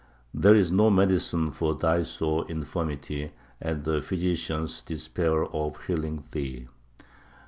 "There is no medicine for thy sore infirmity, and the physicians despair of healing thee.